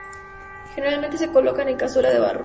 Generalmente se colocan en cazuela de barro.